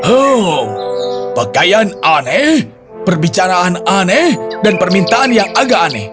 oh pakaian aneh perbicaraan aneh dan permintaan yang agak aneh